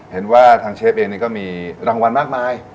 เห็นว่าทางเชฟเองนี่ก็มีรางวัลมากมาย